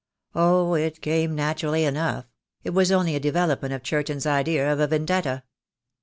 "Oh, it came naturally enough. It was only a de velopment of Churton's idea of a vendetta."